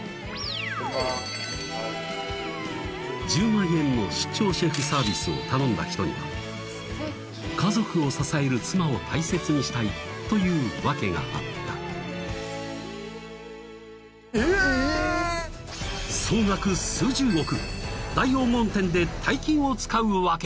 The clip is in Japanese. １０万円の出張シェフサービスを頼んだ人には家族を支える妻を大切にしたいというワケがあったえっえっ総額数十億